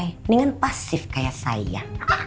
mendingan pasif kayak saya